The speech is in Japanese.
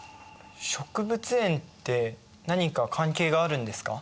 植物園って何か関係があるんですか？